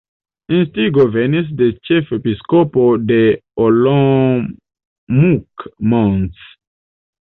Instigo venis de ĉefepiskopo de Olomouc Mons.